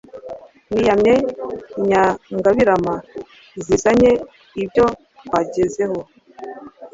niyamye inyangabirama zisanya ibyo twagezeho